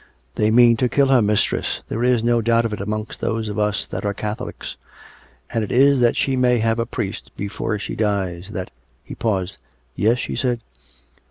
" They mean to kill her, mistress. There is no doubt of it amongst those of us that are Catholics. And it is that she may have a priest before she dies, that " He paused. " Yes ?" she said.